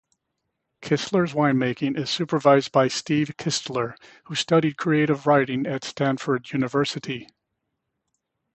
Kistler's winemaking is supervised by Steve Kistler, who studied creative writing at Stanford University.